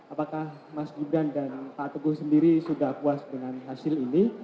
apakah mas gibran dan pak teguh sendiri sudah puas dengan hasil ini